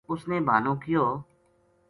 اس نے بہانو کیو